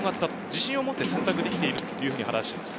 自信を持って選択できていると話しています。